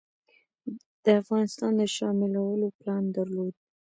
د افغانستان د شاملولو پلان درلود.